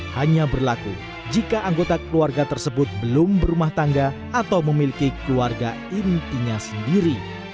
hanya berlaku jika anggota keluarga tersebut belum berumah tangga atau memiliki keluarga intinya sendiri